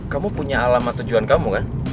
kamu punya alamat tujuan kamu kan